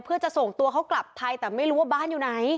เพื่อจะส่งตัวเขากลับไทยแต่ไม่รู้ว่าบ้านอยู่ไหน